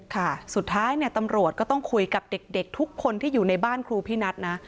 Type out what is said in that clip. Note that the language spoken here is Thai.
ค่ะสุดท้ายเนี่ยตำรวจก็ต้องคุยกับเด็กทุกคนที่อยู่ในบ้านครูพี่นัทนะ